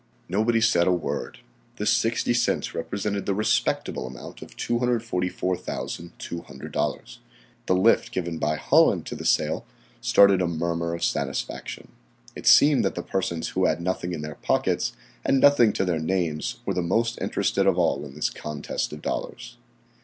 Nobody said a word. This 60 cents represented the respectable amount of $244,200. The lift given by Holland to the sale started a murmur of satisfaction. It seemed that the persons who had nothing in their pockets and nothing to their names were the most interested of all in this contest of dollars.